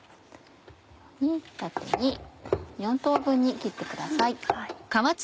縦に４等分に切ってください。